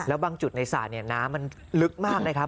แล้วบางจุดในสระเนี่ยน้ำมันลึกมากนะครับ